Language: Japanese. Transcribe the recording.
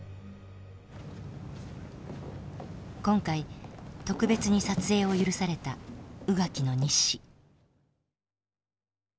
今回特別に撮影を許された宇垣の日誌。